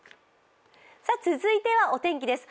続いてはお天気です。